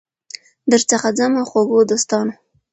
درڅخه ځمه خوږو دوستانو